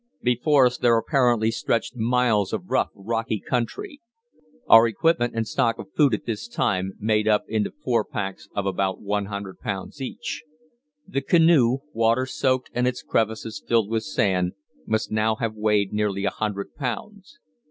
Before us there apparently stretched miles of rough, rocky country. Our equipment and stock of food at this time made up into four packs of about 100 pounds each. The canoe, water soaked and its crevices filled with sand, must now have weighed nearly a hundred pounds.